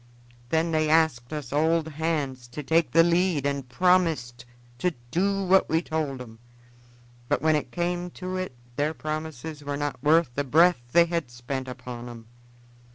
Then they asked us old hands to take the lead and promised to do what we told 'em, but when it came to it their promises were not worth the breath they had spent upon 'em.